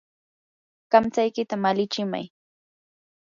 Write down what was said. kamtsaykita malichimay.